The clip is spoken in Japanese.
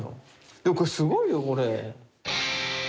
いやこれすごいよこれ。